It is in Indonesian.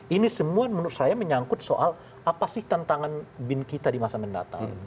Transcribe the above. ini semua menurut saya menyangkut soal apa sih tantangan bin kita di masa mendatang